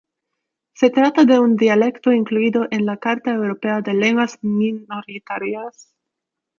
Se trata de un dialecto incluido en la Carta Europea de Lenguas Minoritarias.